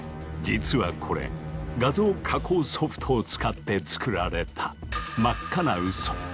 実はこれ画像加工ソフトを使って作られた真っ赤なウソ。